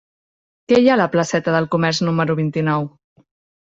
Què hi ha a la placeta del Comerç número vint-i-nou?